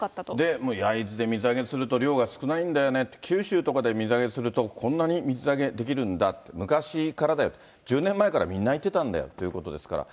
もう焼津で水揚げすると量が少ないんだよね、九州とかで水揚げすると、こんなに水揚げできるんだって、昔からだよ、１０年前からみんな言ってたんだよということですから。